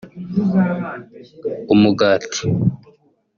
umugati